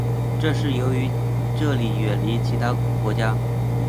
这是由于这里远离其他国家。